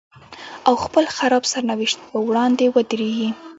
او خپل خراب سرنوشت په وړاندې ودرېږي.